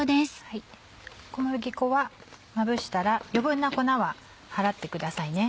小麦粉はまぶしたら余分な粉は払ってくださいね。